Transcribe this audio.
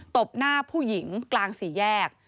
บหน้าผู้หญิงกลางสี่แยก